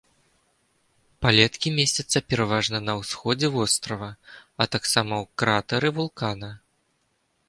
Палеткі месцяцца пераважна на ўсходзе вострава, а таксама ў кратэры вулкана.